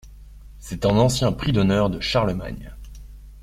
C’est un ancien prix d’honneur de Charlemagne.